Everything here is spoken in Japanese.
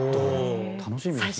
楽しみですね。